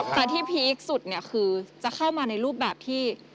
แต่ที่พีคสุดเนี่ยคือจะเข้ามาในรูปแบบที่